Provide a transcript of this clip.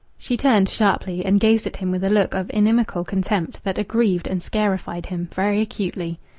She turned sharply and gazed at him with a look of inimical contempt that aggrieved and scarified him very acutely.